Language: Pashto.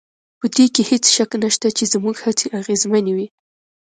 په دې کې هېڅ شک نشته چې زموږ هڅې اغېزمنې وې